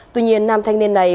tuy nhiên nam thanh niên này